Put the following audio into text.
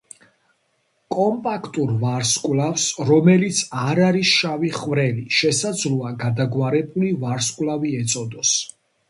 კომპაქტურ ვარსკვლავს, რომელიც არ არის შავი ხვრელი, შესაძლოა გადაგვარებული ვარსკვლავი ეწოდოს.